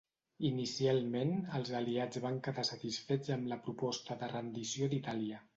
Inicialment, els aliats van quedar satisfets amb la proposta de rendició d'Itàlia.